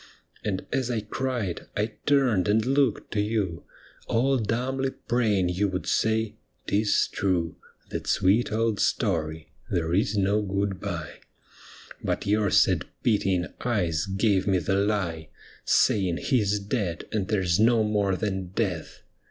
And as I cried I turned and looked to you, All dumbly praying you would say, " 'Tis true. That sweet old story. There is no good bye." But your sad pitying eyes gave me the lie. Saying he 's dead, and there 's no more than death.